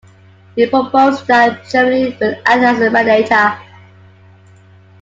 He proposed that Germany would act as a mediator.